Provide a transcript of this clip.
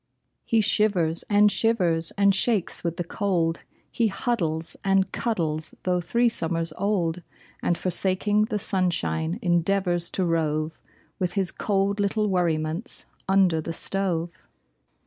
He shivers and shivers and shakes with the cold; He huddles and cuddles, though three summers old. And forsaking the sunshine, endeavors to rove With his cold little worriments under the stove!